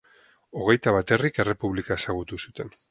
Hogeita bat herrik Errepublika ezagutu zuten.